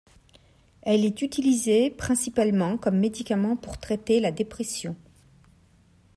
Elle est utilisée principalement comme médicament pour traiter la dépression.